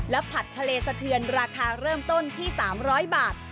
ผัดทะเลสะเทือนราคาเริ่มต้นที่๓๐๐บาท